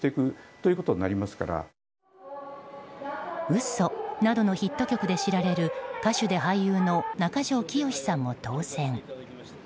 「うそ」などのヒット曲で知られる歌手で俳優の中条きよしさんも当選。